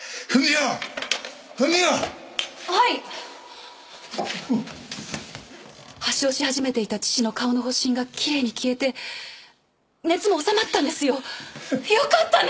あっはい発症し始めていた父の顔の発疹がきれいに消えて熱も治まったんですよよかったね！